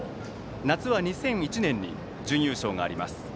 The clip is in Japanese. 夏は２００１年に準優勝があります。